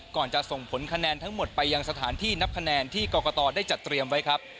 จะส่งผลคะแนนทั้งหมดไปยังสถานที่นับคะแนนที่กรกตได้จัดเตรียมไว้ครับ